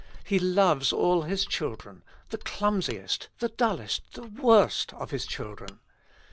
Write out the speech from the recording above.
He loves all His children, the clumsiest, the dullest, the worst of His children.